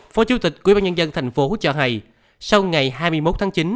phó chủ tịch quyên bán nhân dân thành phố cho hay sau ngày hai mươi một tháng chín